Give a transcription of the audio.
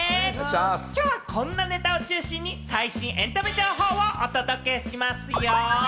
きょうはこんなネタを中心に最新エンタメ情報をお届けしますよ！